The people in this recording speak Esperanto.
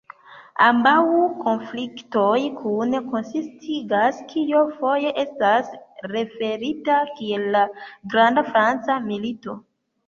Ambaŭ konfliktoj kune konsistigas kio foje estas referita kiel la "'Granda Franca Milito'".